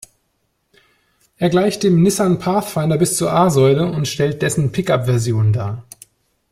Er gleicht dem Nissan Pathfinder bis zur A-Säule und stellt dessen Pickup-Version dar.